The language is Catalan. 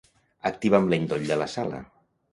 Activa'm l'endoll de la sala.